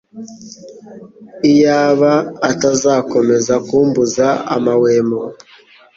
Iyaba atazakomeza kumbuza amahwemo